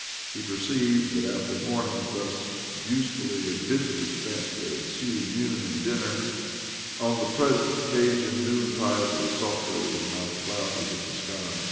He perceived that, after mornings thus usefully and busily spent, there ensued noon and dinner. ] On the present occasion noontide was sultry, and not a cloud was in the sky.